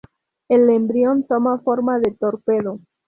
El embrión toma forma de "torpedo".